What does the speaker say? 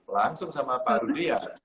langsung sama pak rudi ya